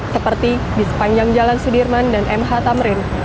seperti di sepanjang jalan sudirman dan mh tamrin